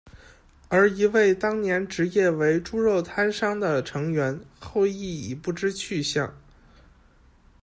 而一位当年职业为猪肉摊商的成员后裔已不知去向。